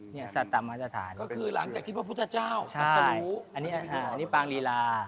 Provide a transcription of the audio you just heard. นี่สัตตะมหาสถานทั้ง๔คือหลังจากคิดว่าพุทธเจ้าสัตตะรูอันนี้คือปังลีลา